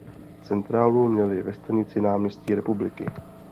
Centrálu měly ve stanici Náměstí Republiky.